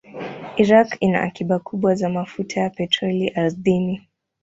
Iraq ina akiba kubwa za mafuta ya petroli ardhini.